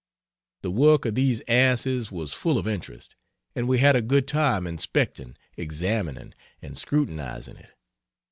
The work of these asses was full of interest, and we had a good time inspecting, examining and scrutinizing it.